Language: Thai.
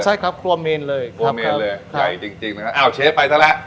ใช่ครับครัวเมนเลยครับครัวเมนเลยใหญ่จริงจริงนะครับอ้าวเชฟไปซะละ